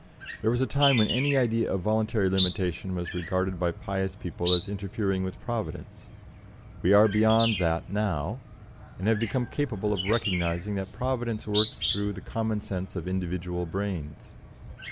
There was a time when any idea of voluntary limitation was regarded by pious people as interfering with Providence. We are beyond that now, and have become capable of recognising that Providence works through the common sense of individual brains.